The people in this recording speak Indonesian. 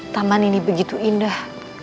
taman ini begitu indah